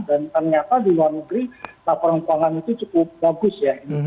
dan ternyata di luar negeri laporan keuangan itu cukup bagus ya